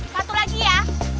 satu lagi ya